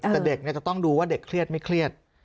แต่เด็กจะต้องดูว่าเด็กเครียดไม่เครียด